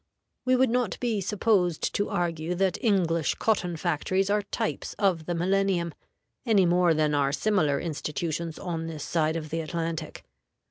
We would not be supposed to argue that English cotton factories are types of the Millennium, any more than are similar institutions on this side of the Atlantic.